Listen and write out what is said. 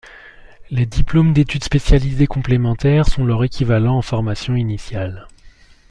Les diplômes d'études spécialisées complémentaires sont leur équivalent en formation initiale.